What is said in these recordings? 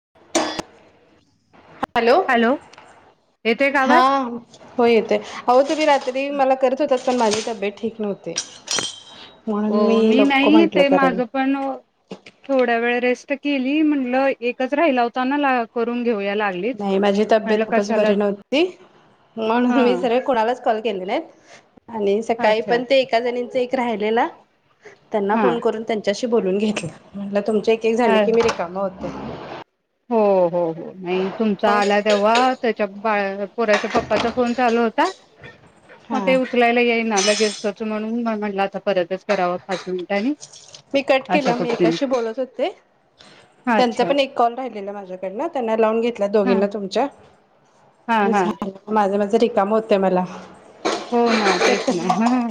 [inaudible] Hello येतोय का हा आवाज हो येतोय अहो तुम्ही रात्री मला करत होतात पण माझी तब्येत ठीक नव्हती म्हणून ओ मी नको नाही म्हंटलं ते करायला माझ पण केवढ्या वेळ रेस पी त किली म्हंलं एकच राहिला होता ना करून घेऊया लागलीच नाही माझी म्हटलं तब्येत खूपच कशाला बरी नव्हती हा म्हणून मी सरळ कुणालाच कॉल केले नाहीत आणि सकाळी अच्छा पण ते एका जणीच एक राहिलेला त्यांना हा फोन करून त्यांच्याशी बोलून घेतल म्हटलं तुमच्या एक एक अ झाले की मी रिकामा होतो [inaudible] हो हो हो नाही तुमचा आला तेव्हा त्याच्या बाळ पोराच्या पप्पाचा फोन चालू होता. मग हा ते उचलायला येई ना लगेच. म्हणून म्हटलं आता परतच करावा पाच मिनिटांनी. मी कट अच्छा केला मी तोपर्यंत एकाशी बोलत होते त्यांचा अच्छा पण एक कॉल राहिल ला माझ्याकडन त्यांना लावून घेतल्यात हा दोघींना तुमच्या. हा [unintelligible] हा झाल माझं माझं रिकाम होतय मला हो ना तेच ना ह ह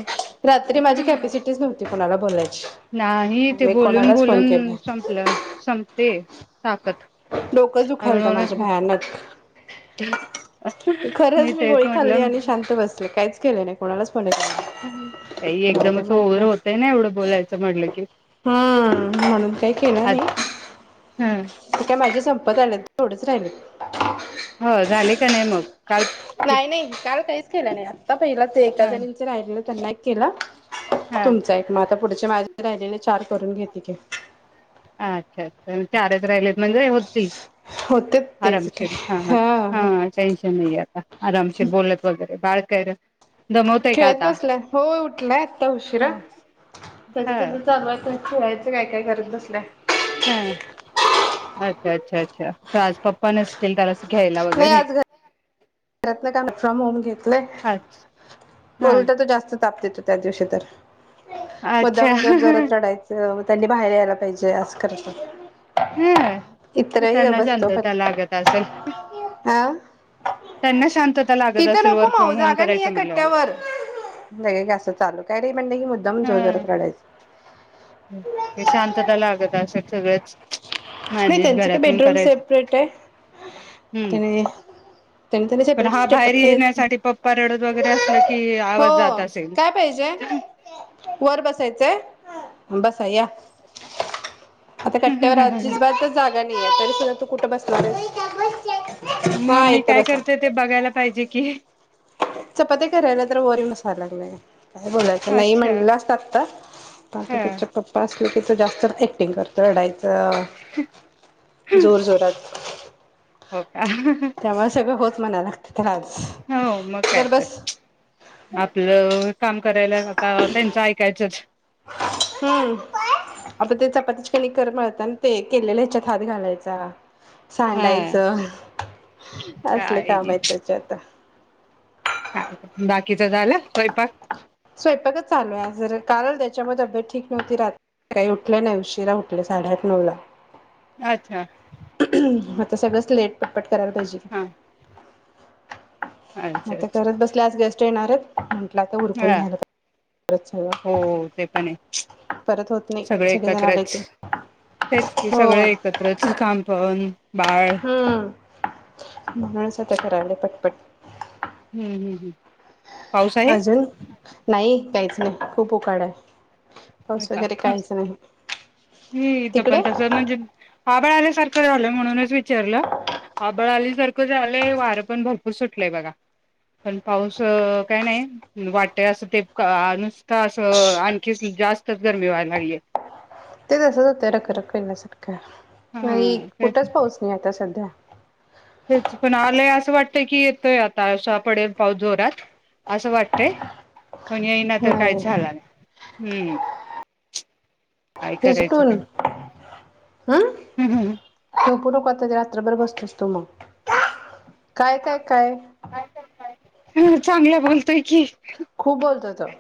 हं ती कोणाला बोलायची. नाही ते मी बोलून कोणालाच फोन बोलून केला संपलं संपतेय ताकत डोकंच दुखायलत माझं भयानक खरंच मी तेच गोळी खाल्ली म्हटलं आणि शांत बसले कायच के् केलं नाही कोणालाचं एकदमच ओवर म्हटलं होतोय ना एवढं बोलायचं म्हटलं की हम्म म्हणून काही केलं आत् नाही हं. ते काय माझं संपत आलेत तेवढंच राहिलेत. हो झाले का नाही मग? काल कि नाही नाही काल काहीच् केले नाही आता पहिला ते एका हा जणींच राहिले त्यांना एक केला. हा तुमच एक म् आता पुढचे मा राहिलेल चार करून घेते की. अच्छा अच्छा चारच राहिलेत. म्हणजे होती होते तेच आरामशीर काय हं हं हा टेन्शन नाही आता आरामशीर बोलत वगैरे बाळ काय रं खेळत बसलाय हो होय उठलाय आता उशिरा ह त्याज ह त्याज चालू हाय तो खेळत काय काय करत बसलाय. हा अच्छा अच्छा अच्छा तर आज पप्पा नसतील तर त्याला घ्यायला वगैरे करत‌ वर्क फ्रॉम होम घेतलंय अच्छ हा बोलत्यात जास्त तापतोय‌ तो त्या दिवशी तर. अच्छा मुदामन जोर जोरात रडायचं म त्यांनी बाहेर यायला पाहिजे असं करत्यात. हम् म् त्यांना पण शांतता लागत असल. हा तिथं नको माऊ जागा नाइए करायचं म्हटल्यावर कट्ट्यावर बाई हे असं चालू काय रे म्हणलं की मुद्दाम जोर जोरात रडायचं. हे शांतता लागत असं सगळंच [inaudible] नाही मॅनेज त्यांचं ते घरातून बेडरूम करायचं सेपरेट हाय हम्म त्यानी ज्येनी त्येनी पण सेपरेट हा बाहेर स्टेटप हेच येण्यासाठी पप्पा रडत वगैरे असलं की हो आवाज जात असेल काय पाहिजे वर बसायचंय आहे. बस या. आता कट्टयावर जागा नाहीे तरी सुधा तू कुठ बसला? मग मी काय करतेय ते बघायला पाहिजे कि. चपात्या करायला तर वर येऊन बसालाय. काय बोलायचं नाही अच्छा म्हणलं असतात हा त्याच्या पप्पा अस त ति तर जास्त अक्टिंग करतं रढाय जोर जोरात हो का? म्हणाला तर आज हो मग काय बर तर बस आपलं काम करायला आता त्यांचं ऐकायचंच. हम्म आपन ते चपाती कणिक तेन त्या मळताना ते केलेल्या ह्याच्यात हात घालायचा हा. सांडायचं असले काय काम आहेत त्याचे आता. काय बाकीच झालं स्वयंपाक. स्वयंपाक चालू आहे जर कारण त्याच्यामध्ये तब्येत ठीक नव्हती रात् काही उठले नाही उशिरा उठले साडेआठ नऊ ला अच्छा तर सगळं लेट पटपट करायला पाहिजे. हा अच्छा आता करत बसल्यास गेस्ट येणारेत म्हटलं आता उरकून ह घ्यायला पाहिजे परत हो सगळं ते पण आहे परत होत नाही सगळे सगळेजण आले एकत्रच की तेच की हो सगळे एकत्रच काम पाहून हम्म म्हणूनच आता कराला पटपट हम्म हम् हम् अजून नाही काहीच खूप उकाडा आहे. होय पाऊस का वगैरे हं काहीच नाही मी इथ पण तिकडे तस म्हणजे आभाळ आल्यासारखं झालं म्हणूनच विचारलं आभाळ आल्या सारखं झालंय वारा पण भरपूर सुटलं बघा पण पाऊस काय नाही वाटय असूते का नुस्ता असं आणखी जास् तर गर्मी व्हाय लागली आहे. ते असच होते रखरखी ना सुटका नाही हा तेच कुठंच पाऊच नाही आता सध्या तेच पण आलय अस वाट ते की येतोय आता असा पडेल पाऊस जोरात असं वाटतय पण येई ना तर नाही काहीच झाला नाही. हम्म [unintelligible] काय पतज करायचं का तू रात्रभर बसतोस तू मग काय काय काय हम्म चांगल्या बोलतोय की खूप बोलतोय तो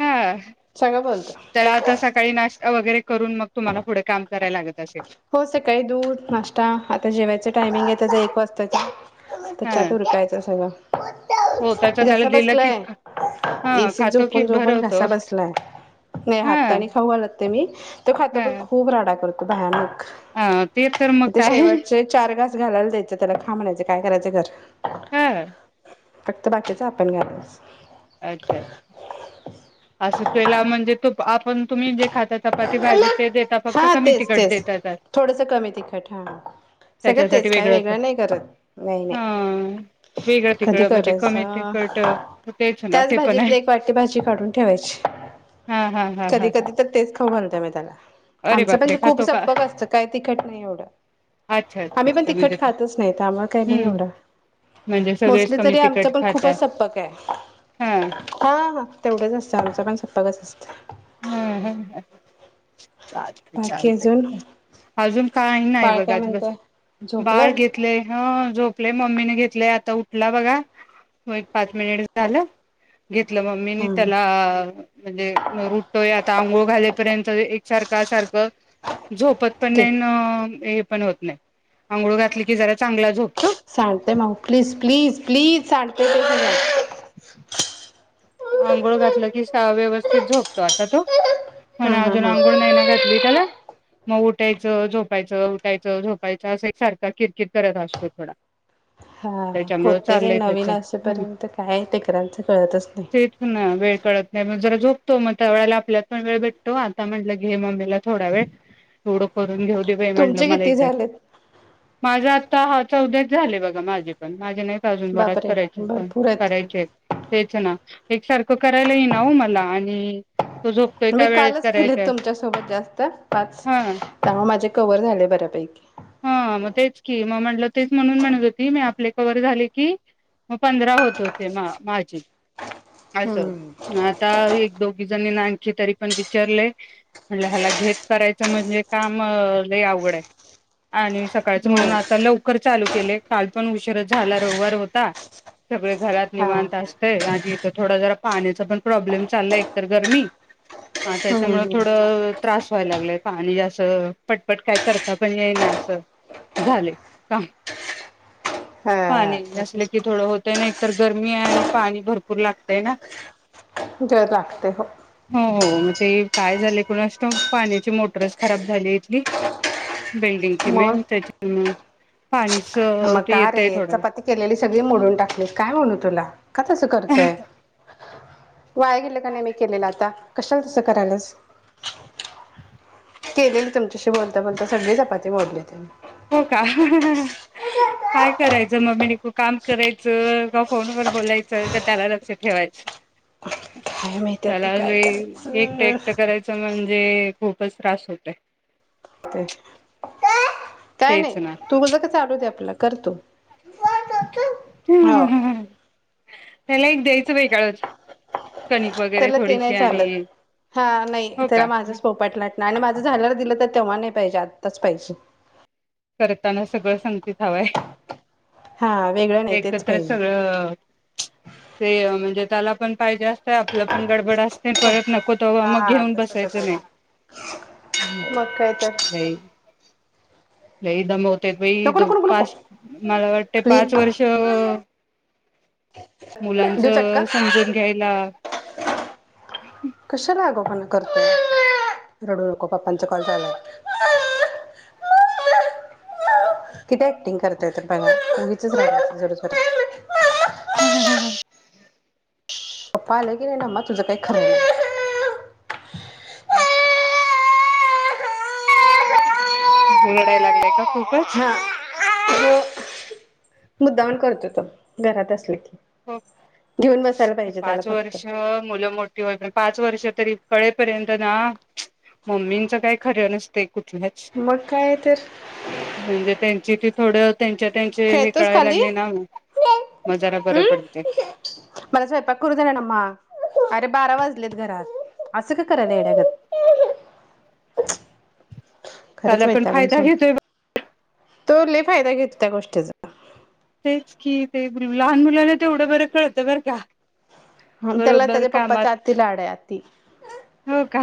हा सगळं बोलतो त्याला आता सकाळी नाश् वगैरे करून मग तुम्हाला पुढे काम करायला लागत असेल हो सकाळी दूध नाश्ता आता जेवायचं टायमिंग आहे त्याचा एक वाजताचा हा त्याच्या आत उरकायचं सगळं हो त्याच त्याला घसा दिलं की बसलाय हा एसीत खातो की झोपून-झोपून, भरवतो घसा बसलाय नाही हा हातानी खाऊ घालते मी तो खातो हा पण खूप राडा करतो [unintelligible] हा ते तर म ते काय शेवटचे चार घास घालायला द्यायचं त्याला खा म्हणायचं काय करायचं कर हा फक्त बाकीचा आपण घालस अच्छा असं पेला म्हणजे तो आपण तुम्ही जे खाता चपाती भाजी ते देता फक्त हा कमी तेच तिकट तेच देतात थोडस कमी तिखट हा सगळं त्याच्यासाठी तेच काय वेगळं नाही करत नाही हा नाही वेगळं कधी तिखट म्हणजे कमी करायचं तिखट तेच ना त्याच ते पण आहे. भाजीतली एक वाटी भाजी काढून ठेवायची. हां हां हां कधी हां हां कधी तर तेच खावू घालते मी त्याला अरे आमचं बापरे! पण खूप खातो का? संप्पक असत काय तिखट नाही एवढं अच्छा अच्छा आम्ही पण अच्छा म्हणजे तिखट खातच नाही तर आम्हाला काय नाही हम्म एवढं म्हणजे सगळेच मोस्टली कमी तरी तिखट आमच्यात पण खाताय. खूपच संप्पक आहे हां आ हा तेवढंच असतं आमचं पण सप्पकच असतं. हूं हूं हूं चालतय बाकी अजून चालतय अजून काय नाय बाळ बघ काय आज बस म्हणतय बाळ झोपलंय घेतलय हं झोपलय मम्मीने घेतलय आत ता उठला बघा व्हय एक पाच मिनिट झालं. घेतलं मम्मीनी हा त्याला म्हणजे रु आता आंघोळ घालेपर्यंत एकासारखा सारख झोपत पण नाय दे न ये पण होत नाय आंघोळ घातली की जरा चांगला झोप सांडतय माऊ प्लीज प्लीज प्लीज सांड [inaudible] [inaudible] आंघोळ घातल की सा व्यवस्थित झोपतो आता तो हो ना हम्म हम्म अजून हम्म अंघोळ नाय ना घातली त्याला म उठायच झोपायच उठायच झोपायच अस एक सारख किरकिर करत असतोय थोडा हा त्याच्यामुळ होतय ते चाललंय त्याच नवीन असेपर्यंत काय तेकरांच कळतच नाय. तेच ना वेळ कळत नाही म जरा झोपतो मग त्यावेळेला आपल्यात पण वेळ भेटतो आता म्हटल घे मम्मीला थोडा वेळ एवढ करून घेऊ दे बाय म्हटल तुमचे मला किती एकदा झालेत? माझ आता हा चौदाच झालेय बघा माझे पण माझे नाहीत अजून बराच बापरे करायच्या पण भरपूर आहेत करायचेत तेच ना एक सारख करायला येईना वो मला आणि तो झोपतोय मी त्या वेळेत कालच केेलेत करायचाय तुमच्यासोबत जास्त पाच हा त्यामुळ माझे कवर झाले बऱ्यापैकी त तेच म्हणून म्हणत होती मी आपले कवर झाले की म पंधरा होत होते म माझे अस हम्म आता एक दोघी जनींना आणखी तरी पण विचारलय म्हणले हयाला घेत करायच म्हणजे काम लय आवघडये आणि सकाळच हो म्हणून आता लवकर चालू केले काल पण उशीर च झाला रववार होता सगळे घरात हा निवांत असतय आणि त थोडा जरा पाण्याचा पण प्रॉब्लेम चाललाय एक तर गरमी हा हम्म त्याच्यामुळे थोड हम्म त्रास व्हायला लागलाय पाणी पटपट काय करता पण येई ना अस झालय काम पाणी हा नसल की तसंच थोड होत त्यांनी एकतर गरमी आहे आणि पाणी भर पूर लागतय ना जर लागतय हो हो हो मग ते काय झालय कुणास ठाऊक पाण्याची मोटारच खराब झाले इथली बिल्डिंगची मग [unintelligible] त्याच्यामुळं पाणीस मग तू का येतय रे थोड चपाती केलेली सगळी मोडून टाकली काय म्हणू तुला का तस करतोय [inaudible] वाया गेल का नाय मी केलेल आता कशाला तस करायलास केलेली तुमच्याशी बोलता बोलता सगळी चपाती मोडली त्यांनी हो का [unintelligible] काय करायच ममी काम करायच का फोनवर बोलायच का त्याला लक्ष ठेवायच काय माहिती आता त्याला काय लई एकट करायचं एकट करायच म्हणजे खूपच त्रास होतय [unintelligible] काय तेच नाही तू कसं काय चालू दे आपल करतो हम हम्म हा त्याला एक द्यायचं वेगळच त्याला ते नाही चालत हा नाही हो त्याला का माझच पोळपाट लाटणं नाही नाही माझं झाल्याला दिलं तर तेव्हा नाही पाहिजे आत्ताच पाहिजे करताना सगळं सांगतीच हवंय हा वेगळं नाही तेच एकत्र पाहिजे सगळं ते म्हणजे त्याला पण पाहिजे असत आपलं पण गडबड अस परत नको त मग हा घेऊन तसंच आहे बसायचं नाही त्याला मग काय तर लई दमव ते नको दो नको नको नको पाच मला वाटते प्ली पाच वर्ष मुलांच देऊ चटका समजून घ्यायला करत मम्मा रडू नको पाप्पांच कॉल चालूय मम्मा किती ॲक्टिंग करतय तर बघा मूवीचच जर ज हम् हम् हम् हम् पपा आले की नाही न मा तुझं काही खरं नाही [unintelligible] हम् [unintelligible] रडायला लागलाय का? खूपच हा मुद्दामण करतो तो घरात असले की हो घेऊन बसायला ते पाहिजे त्याला पाच फक्त वर्ष मुलं मोठी होय पण पाच वर्ष तरी कळेपर्यंत ना मम्मींचं काय खर नसतय कुठल्याच मग काय तर म्हणजे त्यांची थोडं त्यांच्या त्यांचे हे खेळतोस कळाय खाली लागले ना मग जरा बर हम्म मला स्वयंपाक करू दे नमा बारा वाजलेत घरात असं का करायला येड्यागत खरंच चाले पण वैतागून फायदा सोड घेतोय बघ तो लय फायदा घेत त्या गोष्टीचा तेच कि ते लहान मुलाना तेवढं बरं कळतं बर का? ह त्याला बरोबर त्याच्या पप्पाच्या कामात आती लाडत त हो का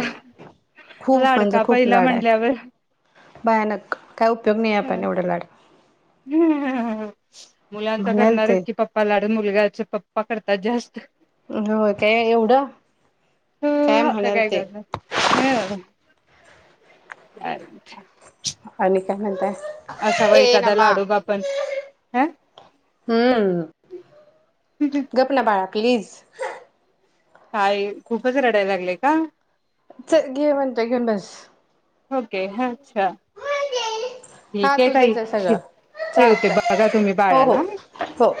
खूप म्हणजे लाडका खूप पहिला लाड आहे म्हटल्यावर भयानक काय उपयोग नाही आपण [unintelligible] एवढं लाड मुलांचा म्हणाल ते करणारच कि पप्पा लाड मुलगा पप्पा करतात जास्त हो काय एवढं ह काय आता म्हणल ते अ आणि काय म्हणताय? ए एखादा नामा लाडोबा पण ह हम्! गप ना बाळा प्लीज! [unintelligible] काय खूपच रडायला लागलेय का? चल घे म्हणतय घेऊन बस ओके हा अ हा ठीक आहे ताई तुझंच ही सगळं ठेवते बघा तुम्ही चालतंय हो हो बाळाला ह! हो